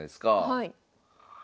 はい。